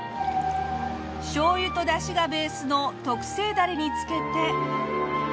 しょうゆと出汁がベースの特製だれに漬けて。